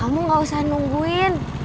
kamu gak usah nungguin